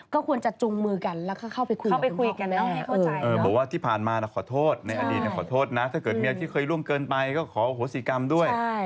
ก็ควรจัดจุงมือกันแล้วก็เข้าไปคุยกับคุณครอบครัว